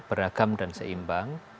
beragam dan seimbang